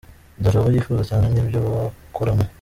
Dore abo yifuza cyane n’ibyo bakoramo:.